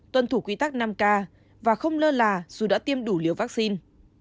tuân thủ quy tắc năm k và không lơ là dù đã tiêm đủ liều vaccine